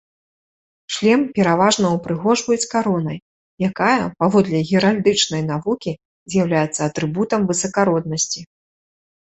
Шлем пераважна ўпрыгожваюць каронай, якая, паводле геральдычнай навукі, з'яўляецца атрыбутам высакароднасці.